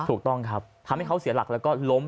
ถูกต้องครับทำให้เขาเสียหลักแล้วก็ล้ม